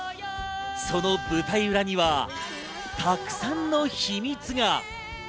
その舞台裏にはたくさんの秘密が。